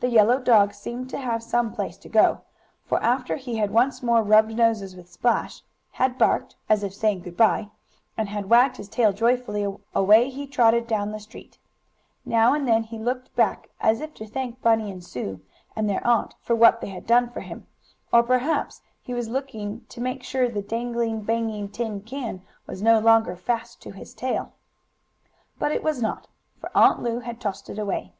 The yellow dog seemed to have some place to go. For, after he had once more rubbed noses with Splash, had barked, as if saying good bye, and had wagged his tail joyfully, away he trotted down the street. Now and then he looked back, as if to thank Bunny and Sue, and their aunt, for what they had done for him, or perhaps he was looking to make sure the banging, dangling tin can was no longer fast to his tail. But it was not, for Aunt Lu had tossed it away.